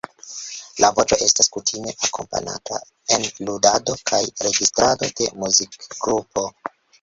La voĉo estas kutime akompanata en ludado kaj registrado de muzikgrupo.